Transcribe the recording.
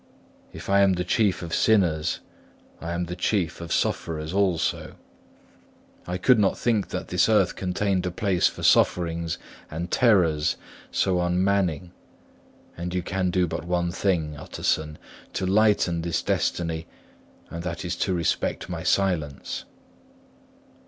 If I am the chief of sinners, I am the chief of sufferers also. I could not think that this earth contained a place for sufferings and terrors so unmanning; and you can do but one thing, Utterson, to lighten this destiny, and that is to respect my silence."